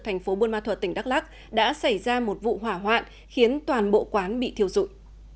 thành phố buôn ma thuật tỉnh đắk lắc đã xảy ra một vụ hỏa hoạn khiến toàn bộ quán bị thiêu dụi